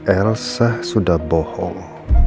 elsa sudah bohong